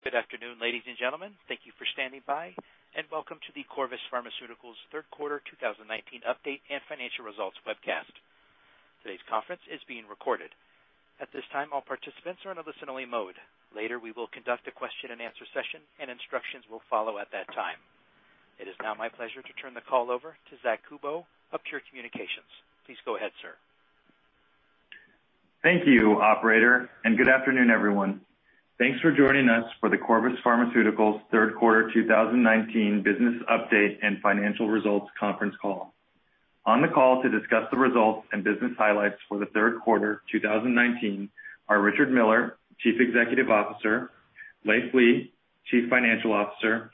Good afternoon, ladies and gentlemen. Thank you for standing by, and welcome to the Corvus Pharmaceuticals third quarter 2019 update and financial results webcast. Today's conference is being recorded. At this time, all participants are in a listen-only mode. Later, we will conduct a question and answer session, and instructions will follow at that time. It is now my pleasure to turn the call over to Zack Kubow of Pure Communications. Please go ahead, sir. Thank you, operator. Good afternoon, everyone. Thanks for joining us for the Corvus Pharmaceuticals third quarter 2019 business update and financial results conference call. On the call to discuss the results and business highlights for the third quarter 2019 are Richard Miller, Chief Executive Officer; Leiv Lea, Chief Financial Officer;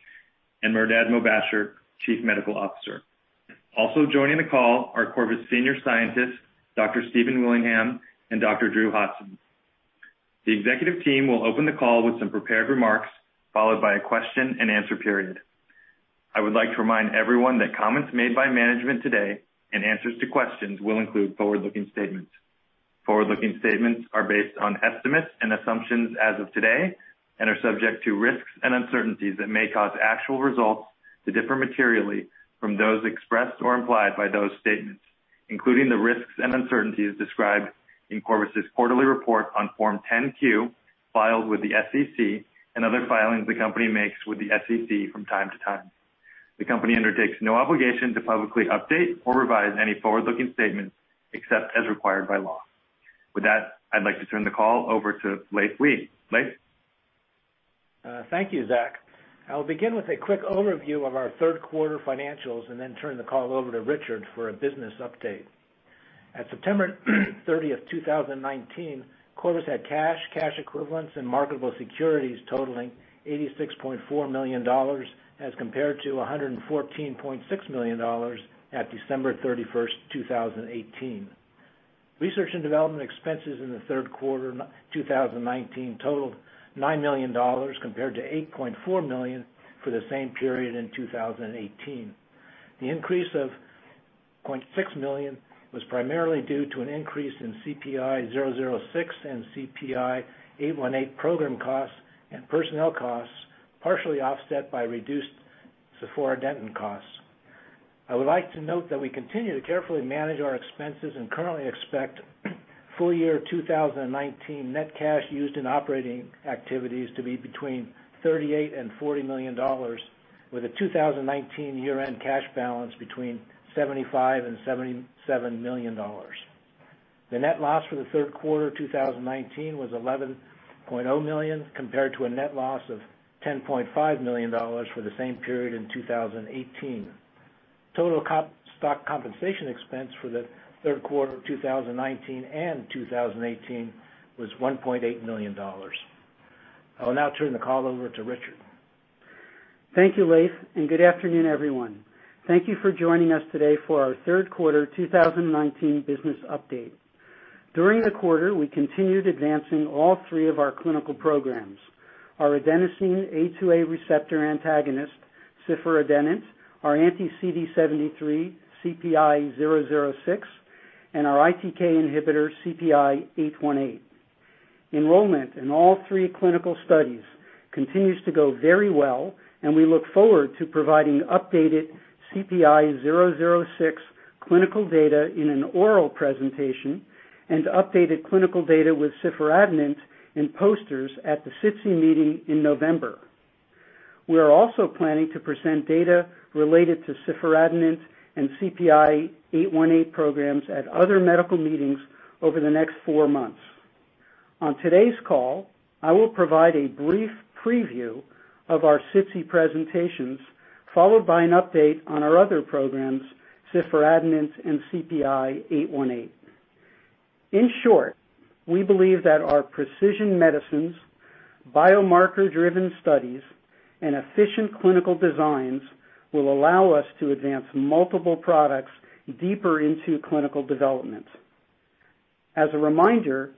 and Mehrdad Mobasher, Chief Medical Officer. Also joining the call are Corvus senior scientists Dr. Stephen Willingham and Dr. Drew Hodgson. The executive team will open the call with some prepared remarks, followed by a question and answer period. I would like to remind everyone that comments made by management today and answers to questions will include forward-looking statements. Forward-looking statements are based on estimates and assumptions as of today and are subject to risks and uncertainties that may cause actual results to differ materially from those expressed or implied by those statements, including the risks and uncertainties described in Corvus's quarterly report on Form 10-Q filed with the SEC and other filings the company makes with the SEC from time to time. The company undertakes no obligation to publicly update or revise any forward-looking statements except as required by law. With that, I'd like to turn the call over to Leiv Lea. Leiv? Thank you, Zack. I'll begin with a quick overview of our third quarter financials and then turn the call over to Richard for a business update. At September 30th, 2019, Corvus had cash equivalents, and marketable securities totaling $86.4 million as compared to $114.6 million at December 31st, 2018. Research and development expenses in the third quarter 2019 totaled $9 million, compared to $8.4 million for the same period in 2018. The increase of $0.6 million was primarily due to an increase in CPI-006 and CPI-818 program costs and personnel costs, partially offset by reduced cifradenant costs. I would like to note that we continue to carefully manage our expenses and currently expect full year 2019 net cash used in operating activities to be between $38 million and $40 million, with a 2019 year-end cash balance between $75 million and $77 million. The net loss for the third quarter 2019 was $11.0 million, compared to a net loss of $10.5 million for the same period in 2018. Total stock compensation expense for the third quarter 2019 and 2018 was $1.8 million. I will now turn the call over to Richard. Thank you, Leiv, and good afternoon, everyone. Thank you for joining us today for our third quarter 2019 business update. During the quarter, we continued advancing all three of our clinical programs, our adenosine A2A receptor antagonist, cifradenant, our anti-CD73 CPI-006, and our ITK inhibitor, CPI-818. Enrollment in all three clinical studies continues to go very well, and we look forward to providing updated CPI-006 clinical data in an oral presentation and updated clinical data with cifradenant in posters at the SITC meeting in November. We are also planning to present data related to cifradenant and CPI-818 programs at other medical meetings over the next four months. On today's call, I will provide a brief preview of our SITC presentations, followed by an update on our other programs, cifradenant and CPI-818. In short, we believe that our precision medicines, biomarker-driven studies, and efficient clinical designs will allow us to advance multiple products deeper into clinical development. As a reminder,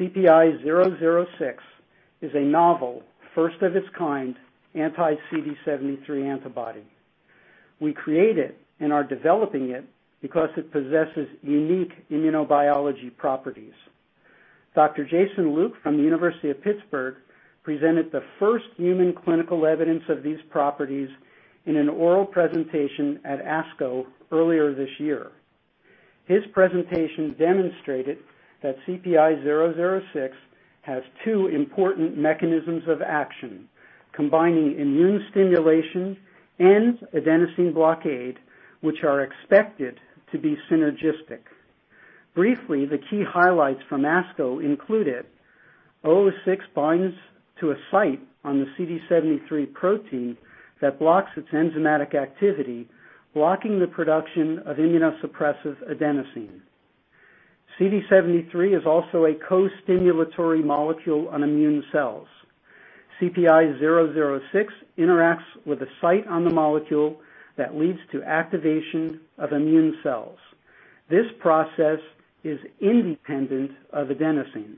CPI-006 is a novel, first-of-its-kind anti-CD73 antibody. We create it and are developing it because it possesses unique immunobiology properties. Dr. Jason Luke from the University of Pittsburgh presented the first human clinical evidence of these properties in an oral presentation at ASCO earlier this year. His presentation demonstrated that CPI-006 has two important mechanisms of action, combining immune stimulation and adenosine blockade, which are expected to be synergistic. Briefly, the key highlights from ASCO included 006 binds to a site on the CD73 protein that blocks its enzymatic activity, blocking the production of immunosuppressive adenosine. CD73 is also a co-stimulatory molecule on immune cells. CPI-006 interacts with a site on the molecule that leads to activation of immune cells. This process is independent of adenosine.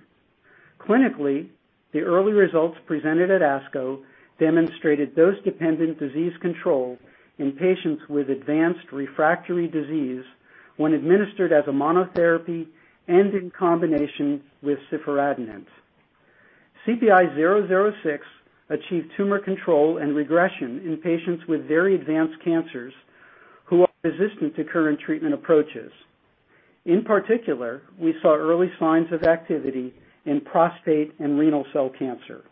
Clinically, the early results presented at ASCO demonstrated dose-dependent disease control in patients with advanced refractory disease. When administered as a monotherapy and in combination with cifradenant. CPI-006 achieved tumor control and regression in patients with very advanced cancers who are resistant to current treatment approaches. In particular, we saw early signs of activity in prostate and renal cell cancer.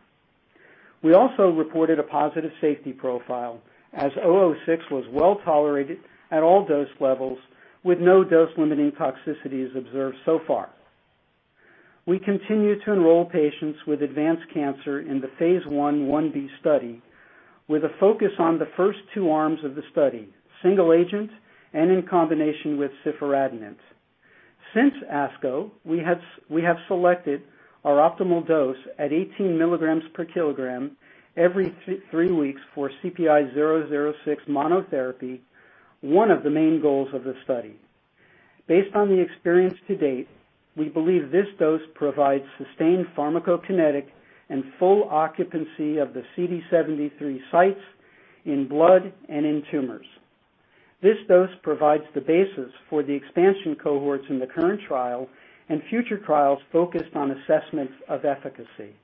We also reported a positive safety profile as 006 was well-tolerated at all dose levels with no dose-limiting toxicities observed so far. We continue to enroll patients with advanced cancer in the phase I/I-B study with a focus on the first two arms of the study, single agent and in combination with cifradenant. Since ASCO, we have selected our optimal dose at 18 milligrams per kilogram every three weeks for CPI-006 monotherapy, one of the main goals of the study. Based on the experience to date, we believe this dose provides sustained pharmacokinetic and full occupancy of the CD73 sites in blood and in tumors. This dose provides the basis for the expansion cohorts in the current trial and future trials focused on assessments of efficacy.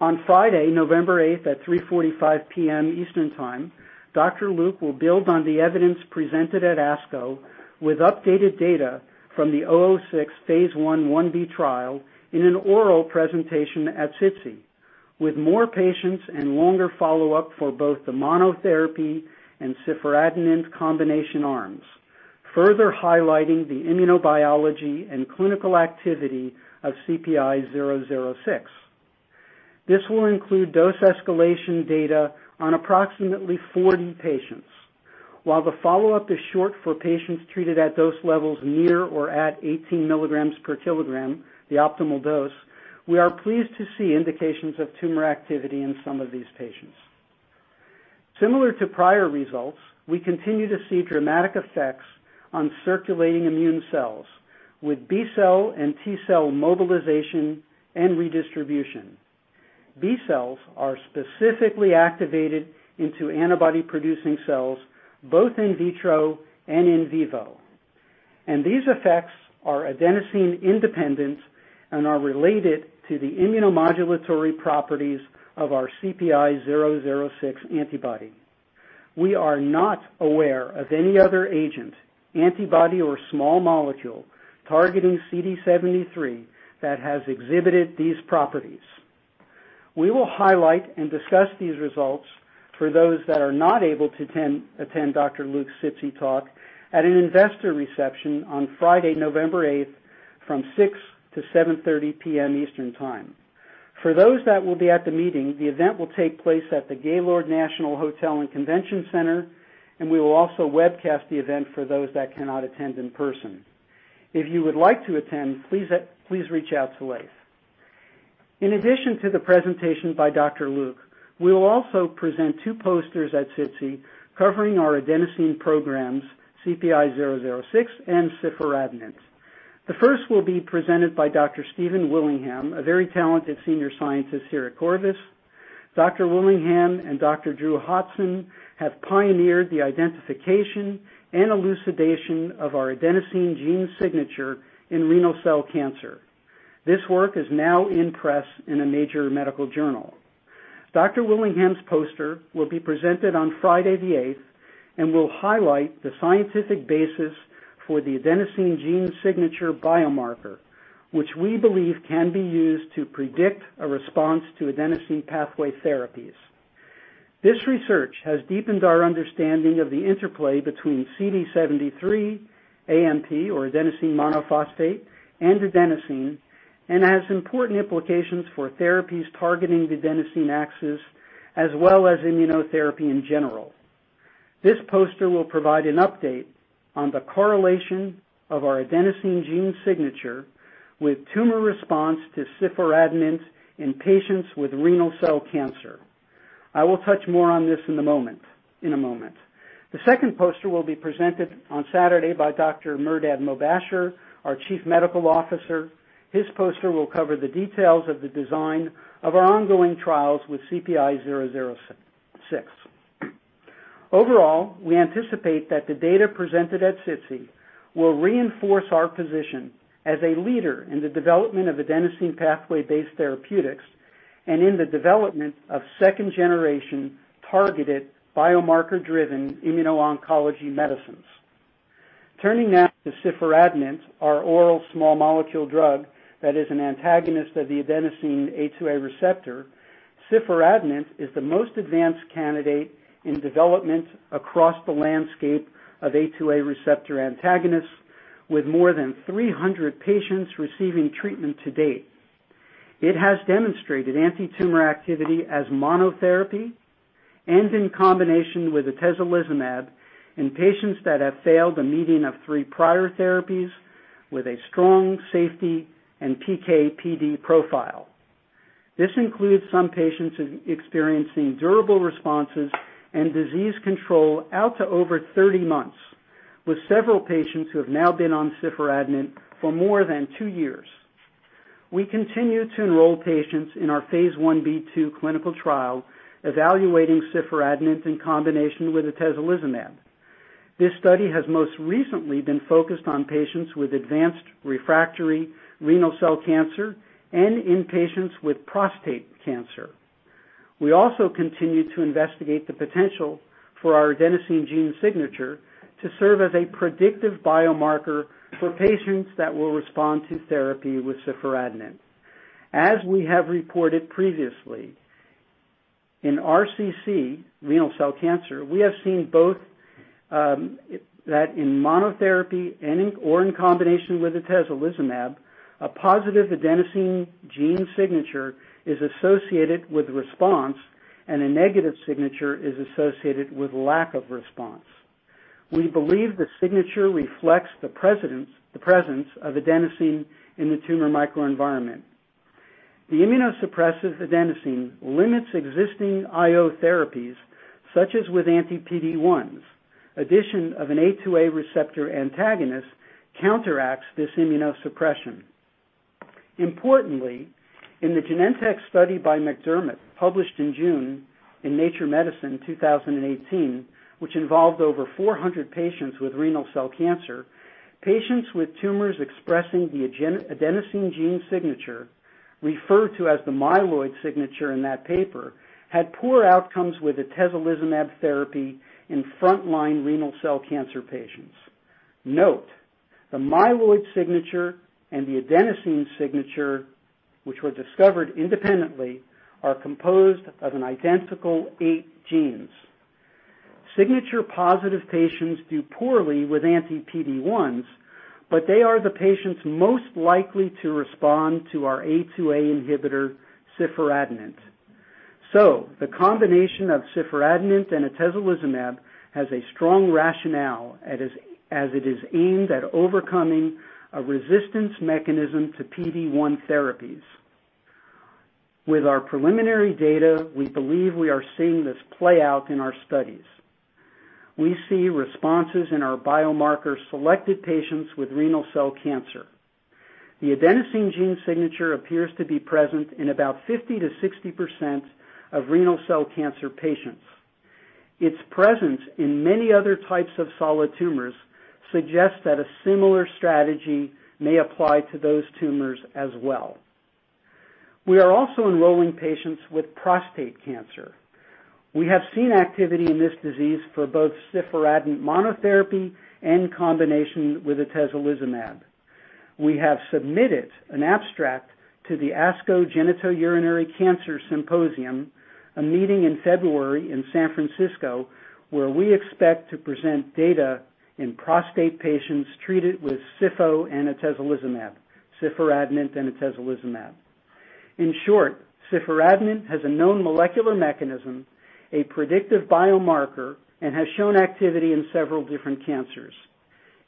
On Friday, November 8th at 3:45 P.M. Eastern Time, Dr. Luke will build on the evidence presented at ASCO with updated data from the 006 phase I/I-B trial in an oral presentation at SITC, with more patients and longer follow-up for both the monotherapy and cifradenant combination arms, further highlighting the immunobiology and clinical activity of CPI-006. This will include dose escalation data on approximately 40 patients. While the follow-up is short for patients treated at dose levels near or at 18 milligrams per kilogram, the optimal dose, we are pleased to see indications of tumor activity in some of these patients. Similar to prior results, we continue to see dramatic effects on circulating immune cells, with B-cell and T-cell mobilization and redistribution. B-cells are specifically activated into antibody-producing cells, both in vitro and in vivo. These effects are adenosine independent and are related to the immunomodulatory properties of our CPI-006 antibody. We are not aware of any other agent, antibody or small molecule, targeting CD73 that has exhibited these properties. We will highlight and discuss these results for those that are not able to attend Dr. Luke's SITC talk at an investor reception on Friday, November 8th from 6:00 P.M. to 7:30 P.M. Eastern Time. For those that will be at the meeting, the event will take place at the Gaylord National Hotel and Convention Center, and we will also webcast the event for those that cannot attend in person. If you would like to attend, please reach out to Leiv. In addition to the presentation by Dr. Luke, we will also present two posters at SITC covering our adenosine programs, CPI-006 and cifradenant. The first will be presented by Dr. Stephen Willingham, a very talented senior scientist here at Corvus. Dr. Willingham and Dr. Drew Hodgson have pioneered the identification and elucidation of our adenosine gene signature in renal cell cancer. This work is now in press in a major medical journal. Dr. Willingham's poster will be presented on Friday the 8th and will highlight the scientific basis for the adenosine gene signature biomarker, which we believe can be used to predict a response to adenosine pathway therapies. This research has deepened our understanding of the interplay between CD73, AMP or adenosine monophosphate, and adenosine, and has important implications for therapies targeting the adenosine axis, as well as immunotherapy in general. This poster will provide an update on the correlation of our adenosine gene signature with tumor response to cifradenant in patients with renal cell cancer. I will touch more on this in a moment. The second poster will be presented on Saturday by Dr. Mehrdad Mobasher, our Chief Medical Officer. His poster will cover the details of the design of our ongoing trials with CPI-006. Overall, we anticipate that the data presented at SITC will reinforce our position as a leader in the development of adenosine pathway-based therapeutics and in the development of second generation, targeted, biomarker-driven immuno-oncology medicines. Turning now to cifradenant, our oral small molecule drug that is an antagonist of the adenosine A2A receptor, cifradenant is the most advanced candidate in development across the landscape of A2A receptor antagonists with more than 300 patients receiving treatment to date. It has demonstrated antitumor activity as monotherapy and in combination with atezolizumab in patients that have failed a median of three prior therapies with a strong safety and PK/PD profile. This includes some patients experiencing durable responses and disease control out to over 30 months, with several patients who have now been on cifradenant for more than two years. We continue to enroll patients in our Phase I-B/II clinical trial evaluating cifradenant in combination with atezolizumab. This study has most recently been focused on patients with advanced refractory renal cell cancer and in patients with prostate cancer. We also continue to investigate the potential for our adenosine gene signature to serve as a predictive biomarker for patients that will respond to therapy with cifradenant. As we have reported previously, in RCC, renal cell cancer, we have seen both that in monotherapy or in combination with atezolizumab, a positive adenosine gene signature is associated with response, and a negative signature is associated with lack of response. We believe the signature reflects the presence of adenosine in the tumor microenvironment. The immunosuppressive adenosine limits existing IO therapies such as with anti-PD1s. Addition of an A2A receptor antagonist counteracts this immunosuppression. Importantly, in the Genentech study by McDermott, published in June in "Nature Medicine" 2018, which involved over 400 patients with renal cell cancer, patients with tumors expressing the adenosine gene signature, referred to as the myeloid signature in that paper, had poor outcomes with atezolizumab therapy in frontline renal cell cancer patients. Note, the myeloid signature and the adenosine signature, which were discovered independently, are composed of an identical 8 genes. Signature positive patients do poorly with anti-PD1s, but they are the patients most likely to respond to our A2A inhibitor, cifradenant. The combination of cifradenant and atezolizumab has a strong rationale as it is aimed at overcoming a resistance mechanism to PD1 therapies. With our preliminary data, we believe we are seeing this play out in our studies. We see responses in our biomarker-selected patients with renal cell cancer. The adenosine gene signature appears to be present in about 50%-60% of renal cell cancer patients. Its presence in many other types of solid tumors suggests that a similar strategy may apply to those tumors as well. We are also enrolling patients with prostate cancer. We have seen activity in this disease for both cifradenant monotherapy and combination with atezolizumab. We have submitted an abstract to the ASCO Genitourinary Cancers Symposium, a meeting in February in San Francisco, where we expect to present data in prostate patients treated with sifo and atezolizumab, cifradenant and atezolizumab. In short, cifradenant has a known molecular mechanism, a predictive biomarker, and has shown activity in several different cancers.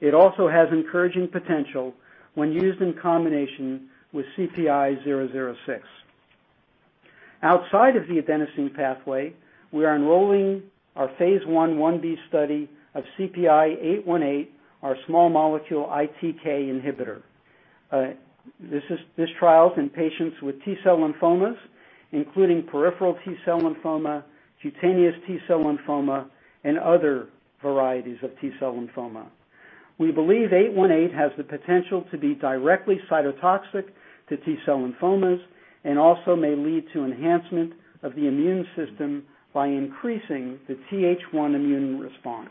It also has encouraging potential when used in combination with CPI-006. Outside of the adenosine pathway, we are enrolling our phase I/IB study of CPI-818, our small molecule ITK inhibitor. This trial is in patients with T-cell lymphomas, including peripheral T-cell lymphoma, cutaneous T-cell lymphoma, and other varieties of T-cell lymphoma. We believe 818 has the potential to be directly cytotoxic to T-cell lymphomas and also may lead to enhancement of the immune system by increasing the Th1 immune response.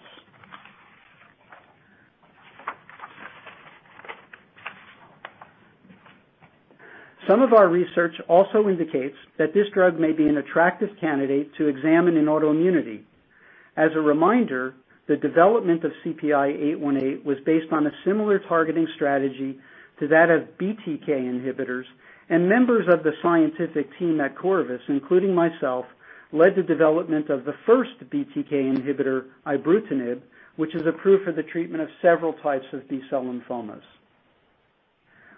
Some of our research also indicates that this drug may be an attractive candidate to examine in autoimmunity. As a reminder, the development of CPI-818 was based on a similar targeting strategy to that of BTK inhibitors and members of the scientific team at Corvus, including myself, led the development of the first BTK inhibitor, ibrutinib, which is approved for the treatment of several types of B-cell lymphomas.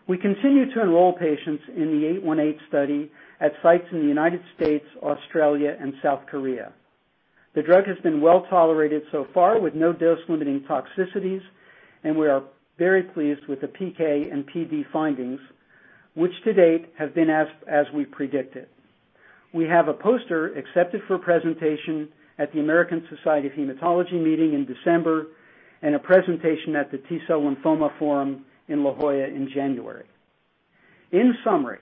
We continue to enroll patients in the 818 study at sites in the United States, Australia, and South Korea. The drug has been well-tolerated so far with no dose-limiting toxicities and we are very pleased with the PK and PD findings, which to date have been as we predicted. We have a poster accepted for presentation at the American Society of Hematology meeting in December and a presentation at the T-Cell Lymphoma Forum in La Jolla in January. In summary,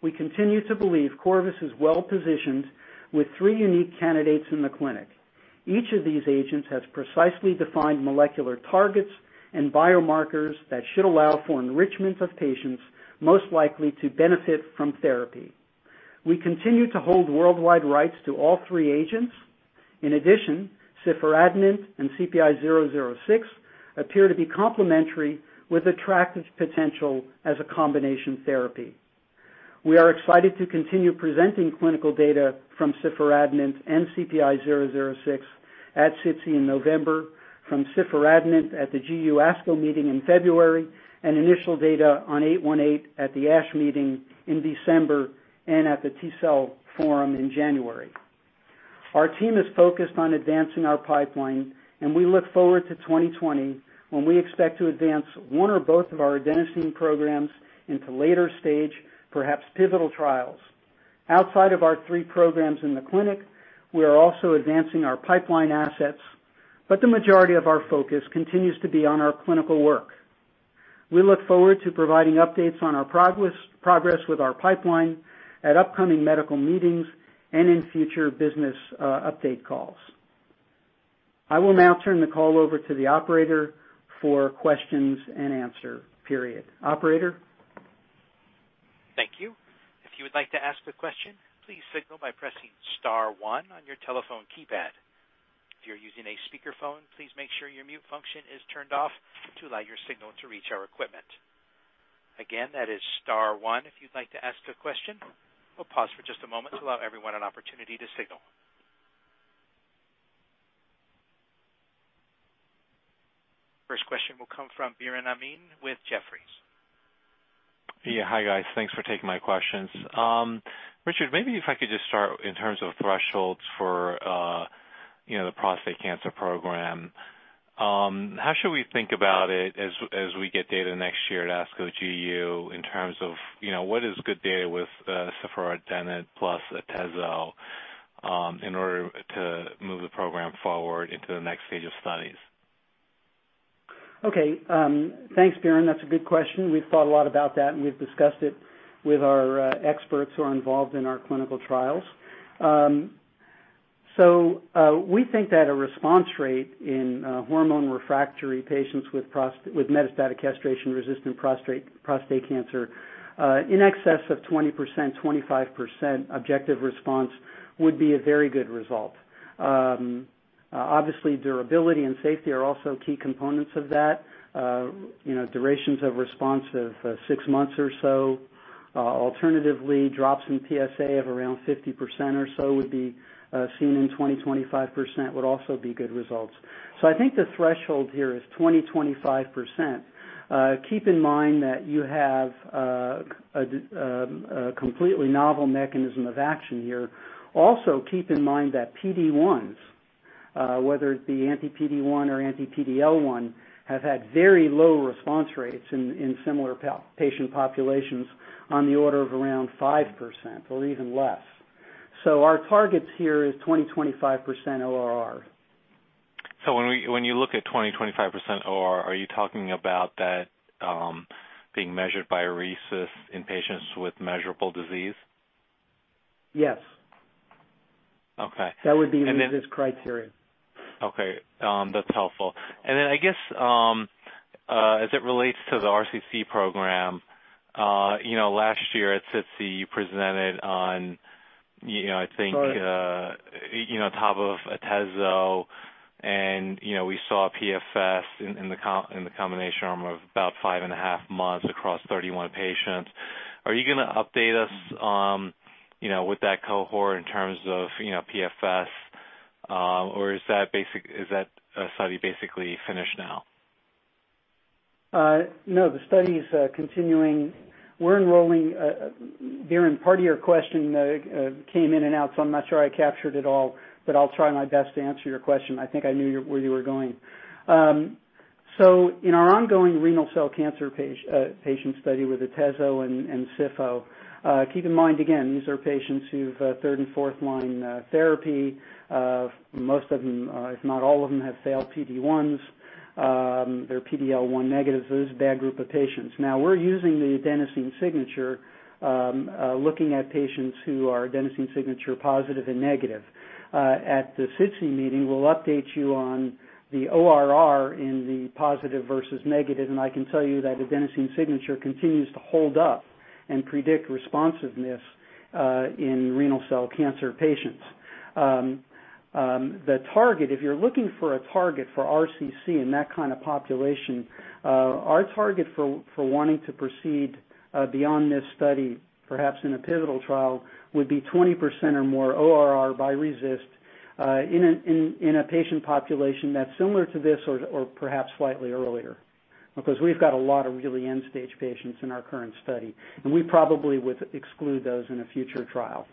we continue to believe Corvus is well-positioned with three unique candidates in the clinic. Each of these agents has precisely defined molecular targets and biomarkers that should allow for enrichment of patients most likely to benefit from therapy. We continue to hold worldwide rights to all three agents. In addition, cifradenant and CPI-006 appear to be complementary with attractive potential as a combination therapy. We are excited to continue presenting clinical data from cifradenant and CPI-006 at SITC in November, from cifradenant at the ASCO GU meeting in February, and initial data on 818 at the ASH meeting in December and at the T-Cell Lymphoma Forum in January. Our team is focused on advancing our pipeline, and we look forward to 2020, when we expect to advance one or both of our adenosine programs into later stage, perhaps pivotal trials. Outside of our three programs in the clinic, we are also advancing our pipeline assets, but the majority of our focus continues to be on our clinical work. We look forward to providing updates on our progress with our pipeline at upcoming medical meetings and in future business update calls. I will now turn the call over to the operator for questions and answer period. Operator? Thank you. If you would like to ask a question, please signal by pressing star 1 on your telephone keypad. If you're using a speakerphone, please make sure your mute function is turned off to allow your signal to reach our equipment. Again, that is star 1 if you'd like to ask a question. We'll pause for just a moment to allow everyone an opportunity to signal. First question will come from Biren Amin with Jefferies. Yeah. Hi, guys. Thanks for taking my questions. Richard, maybe if I could just start in terms of thresholds for the prostate cancer program. How should we think about it as we get data next year at ASCO GU in terms of what is good data with cifradenant plus atezo in order to move the program forward into the next stage of studies? Okay. Thanks, Biren. That's a good question. We've thought a lot about that, and we've discussed it with our experts who are involved in our clinical trials. We think that a response rate in hormone-refractory patients with metastatic castration-resistant prostate cancer in excess of 20%-25% objective response would be a very good result. Obviously, durability and safety are also key components of that. Durations of response of six months or so. Alternatively, drops in PSA of around 50% or so would be seen in 20%-25% would also be good results. I think the threshold here is 20%-25%. Keep in mind that you have a completely novel mechanism of action here. Also, keep in mind that PD1s, whether it be anti-PD-1 or anti-PD-L1, have had very low response rates in similar patient populations on the order of around 5% or even less. Our targets here is 20%-25% ORR. When you look at 20, 25% ORR, are you talking about that being measured by RECIST in patients with measurable disease? Yes. Okay. That would be RECIST criteria. Okay. That's helpful. Then I guess, as it relates to the RCC program, last year at SITC, you presented on. Right top of atezo and we saw PFS in the combination arm of about five and a half months across 31 patients. Are you going to update us with that cohort in terms of PFS? Is that study basically finished now? No, the study's continuing. We're enrolling Biren, part of your question came in and out, so I'm not sure I captured it all, but I'll try my best to answer your question. I think I knew where you were going. In our ongoing renal cell cancer patient study with atezo and sifo, keep in mind, again, these are patients who've third and fourth line therapy. Most of them, if not all of them, have failed PD1s. They're PD-L1 negative, so it is a bad group of patients. We're using the adenosine signature, looking at patients who are adenosine signature positive and negative. At the SITC meeting, we'll update you on the ORR in the positive versus negative, and I can tell you that adenosine signature continues to hold up and predict responsiveness in renal cell cancer patients. The target, if you're looking for a target for RCC in that kind of population, our target for wanting to proceed beyond this study, perhaps in a pivotal trial, would be 20% or more ORR by RECIST, in a patient population that's similar to this or perhaps slightly earlier. We've got a lot of really end-stage patients in our current study, and we probably would exclude those in a future trial.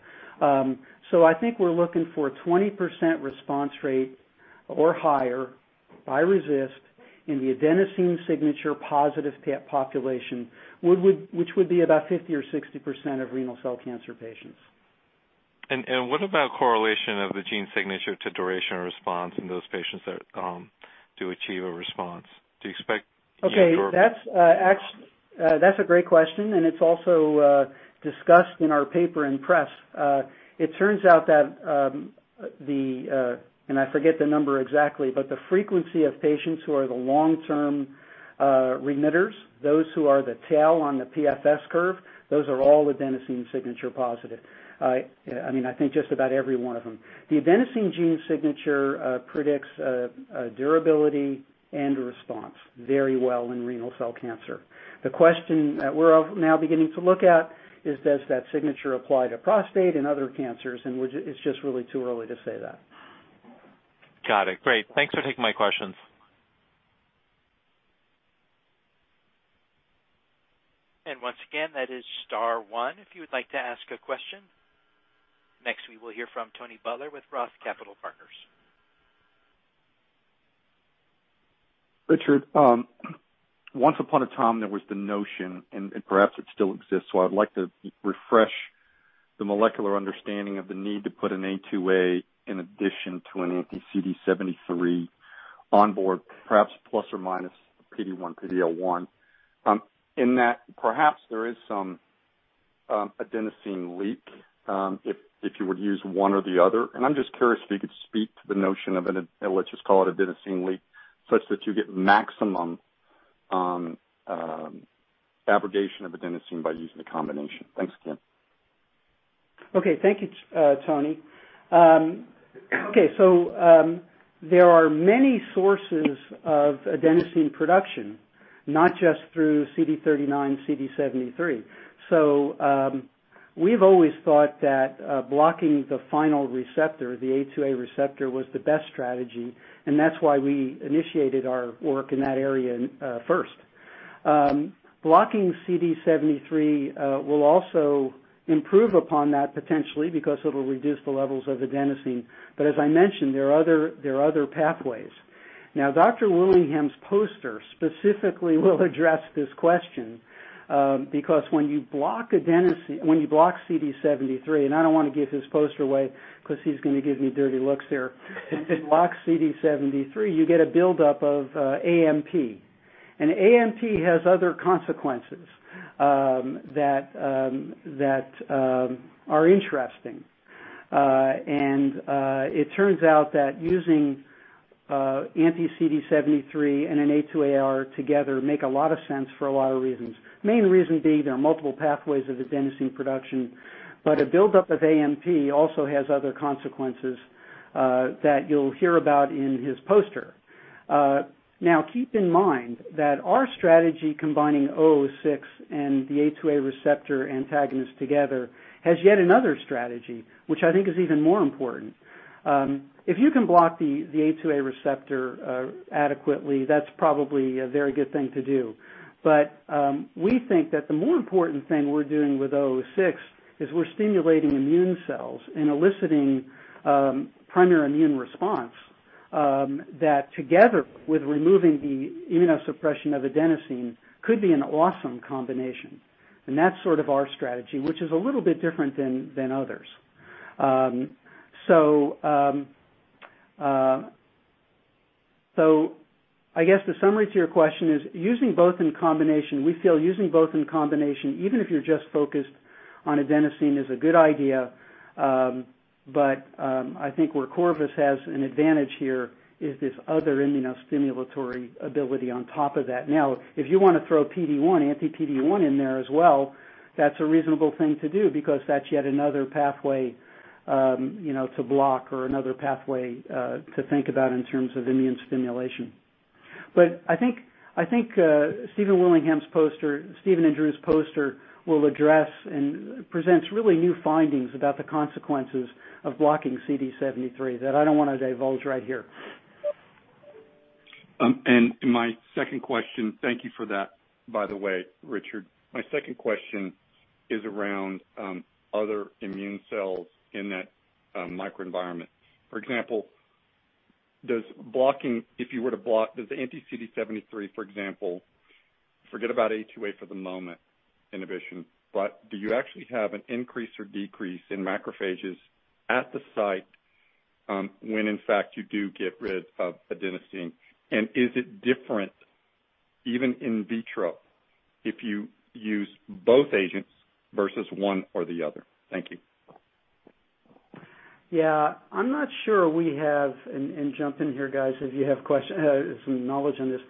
I think we're looking for a 20% response rate or higher by RECIST in the adenosine signature positive population, which would be about 50 or 60% of renal cell cancer patients. What about correlation of the gene signature to duration of response in those patients that do achieve a response? Do you expect any? Okay. That's a great question. It's also discussed in our paper in press. It turns out that the frequency of patients who are the long-term remitters, those who are the tail on the PFS curve, those are all adenosine signature positive. I think just about every one of them. The adenosine gene signature predicts durability and response very well in renal cell cancer. The question that we're now beginning to look at is does that signature apply to prostate and other cancers. It's just really too early to say that. Got it. Great. Thanks for taking my questions. Once again, that is star one if you would like to ask a question. Next, we will hear from Tony Butler with Roth Capital Partners. Richard, once upon a time, there was the notion, and perhaps it still exists, so I'd like to refresh the molecular understanding of the need to put an A2A in addition to an anti-CD73 on board, perhaps plus or minus PD1, PD-L1. In that, perhaps there is some adenosine leak, if you were to use one or the other. I'm just curious if you could speak to the notion of an, let's just call it adenosine leak, such that you get maximum abrogation of adenosine by using the combination. Thanks again. Okay. Thank you, Tony. Okay. There are many sources of adenosine production, not just through CD39, CD73. We've always thought that blocking the final receptor, the A2A receptor, was the best strategy, and that's why we initiated our work in that area first. Blocking CD73 will also improve upon that potentially because it'll reduce the levels of adenosine. As I mentioned, there are other pathways. Dr. Willingham's poster specifically will address this question, because when you block CD73, and I don't want to give his poster away because he's going to give me dirty looks here. If you block CD73, you get a buildup of AMP. AMP has other consequences that are interesting. It turns out that using anti-CD73 and an A2AR together make a lot of sense for a lot of reasons. Main reason being there are multiple pathways of adenosine production, but a buildup of AMP also has other consequences that you'll hear about in his poster. Keep in mind that our strategy combining 006 and the A2A receptor antagonist together has yet another strategy, which I think is even more important. If you can block the A2A receptor adequately, that's probably a very good thing to do. We think that the more important thing we're doing with 006 is we're stimulating immune cells and eliciting primary immune response that together with removing the immunosuppression of adenosine could be an awesome combination. That's sort of our strategy, which is a little bit different than others. I guess the summary to your question is using both in combination, we feel using both in combination, even if you're just focused on adenosine, is a good idea. I think where Corvus has an advantage here is this other immunostimulatory ability on top of that. Now, if you want to throw PD-1, anti-PD-1 in there as well, that's a reasonable thing to do because that's yet another pathway to block or another pathway to think about in terms of immune stimulation. I think Stephen Willingham's poster, Stephen and Drew's poster will address and presents really new findings about the consequences of blocking CD73 that I don't want to divulge right here. My second question, thank you for that, by the way, Richard. My second question is around other immune cells in that microenvironment. For example, does blocking, if you were to block, does anti-CD73, for example, forget about A2A for the moment inhibition, but do you actually have an increase or decrease in macrophages at the site when in fact you do get rid of adenosine? Is it different even in vitro if you use both agents versus one or the other? Thank you. Yeah. And jump in here, guys, if you have some knowledge on this.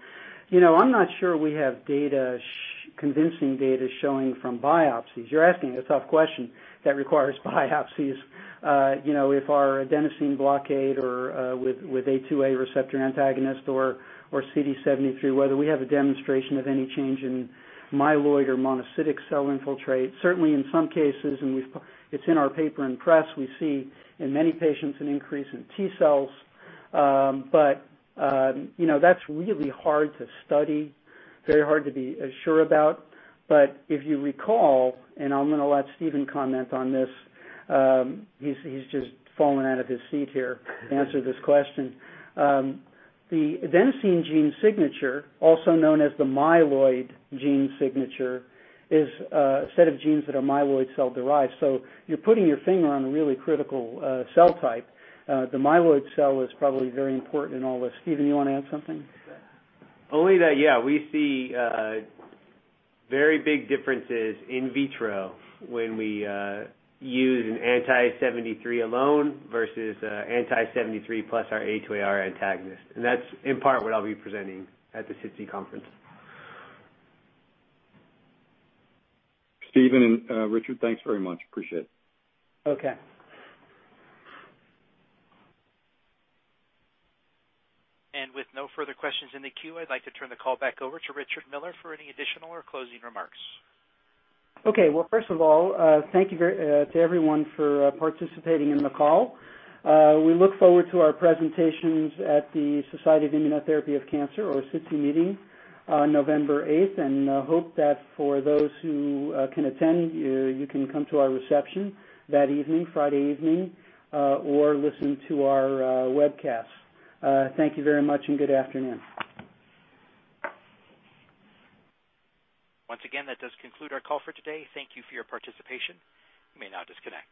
I'm not sure we have convincing data showing from biopsies. You're asking a tough question that requires biopsies. If our adenosine blockade or with A2A receptor antagonist or CD73, whether we have a demonstration of any change in myeloid or monocytic cell infiltrate. Certainly in some cases, and it's in our paper in press, we see in many patients an increase in T cells. That's really hard to study, very hard to be sure about. If you recall, and I'm going to let Stephen comment on this. He's just fallen out of his seat here to answer this question. The adenosine gene signature, also known as the myeloid gene signature, is a set of genes that are myeloid cell-derived. You're putting your finger on a really critical cell type. The myeloid cell is probably very important in all this. Stephen, you want to add something? Only that, yeah, we see very big differences in vitro when we use an anti-73 alone versus anti-73 plus our A2AR antagonist. That's in part what I'll be presenting at the SITC conference. Stephen and Richard, thanks very much. Appreciate it. Okay. With no further questions in the queue, I'd like to turn the call back over to Richard Miller for any additional or closing remarks. Okay. Well, first of all, thank you to everyone for participating in the call. We look forward to our presentations at the Society for Immunotherapy of Cancer or SITC meeting on November 8th and hope that for those who can attend, you can come to our reception that evening, Friday evening, or listen to our webcast. Thank you very much and good afternoon. Once again, that does conclude our call for today. Thank you for your participation. You may now disconnect.